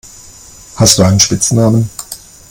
Hast du einen Spitznamen?